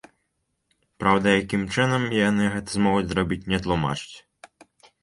Праўда, якім чынам яны гэта змогуць зрабіць, не тлумачыць.